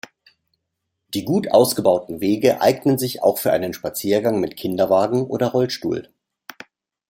Die gut ausgebauten Wege eignen sich auch für einen Spaziergang mit Kinderwagen oder Rollstuhl.